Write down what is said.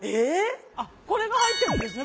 あっこれが入ってるんですね。